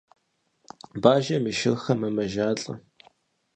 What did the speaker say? Бажэм и шырхэр мэмэжалӏэ.